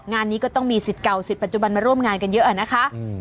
งานนี้ก็ต้องมีสิทธิ์เก่าสิทธิปัจจุบันมาร่วมงานกันเยอะอะนะคะ